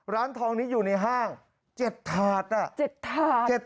ร้านทองนี้อยู่ในห้าง๗ถาดอ่ะ๗ถาด